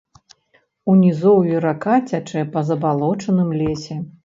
У нізоўі рака цячэ па забалочаным лесе.